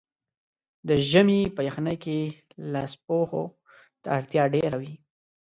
د ژمي په یخنۍ کې لاسپوښو ته اړتیا ډېره وي.